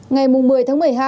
ngày một mươi tháng một mươi hai